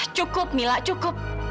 cukup mila cukup